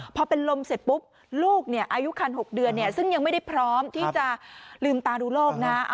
พอเป็นลมเสร็จปุ๊บลูกอายุคัน๖เดือนซึ่งยังไม่ได้พร้อมที่จะลืมตาดูโลกนะ